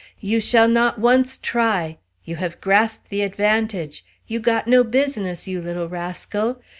You shall not once try! You have grasp' the advantage! You got no business, you little rascal!